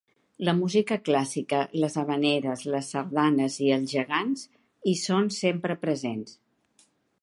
La música clàssica, les havaneres, les sardanes i els gegants hi són sempre presents.